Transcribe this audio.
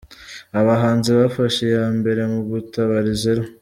Abahanzi bafashe iya mbere mu gutabariza Ella.